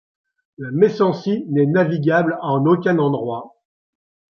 La Messancy n'est navigable en aucun endroit.